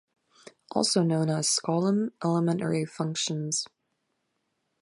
Also known as Skolem elementary functions.